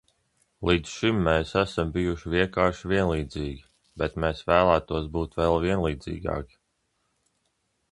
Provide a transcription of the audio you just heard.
Līdz šim mēs esam bijuši vienkārši vienlīdzīgi, bet mēs vēlētos būt vēl vienlīdzīgāki.